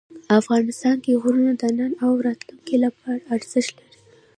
افغانستان کې غرونه د نن او راتلونکي لپاره ارزښت لري.